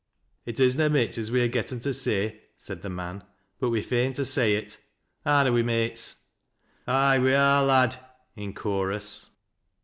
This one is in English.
" It is na mich as we ha' getten to say," said the man, '• but we're fain to say it. Are na we, mates ?"" Ay, we are, lad," in chorus.